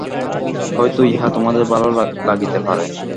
হয়তো ইহা তোমাদের ভাল লাগিতে পারে।